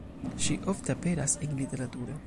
Ŝi ofte aperas en literaturo.